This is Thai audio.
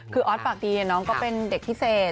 คือออสปากดีเขาเป็นเด็กพิเศษ